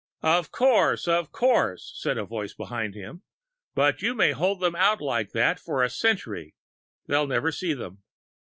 "Of course, of course," said a voice behind him, "but you may hold them out like that for a century. They'll never see them!"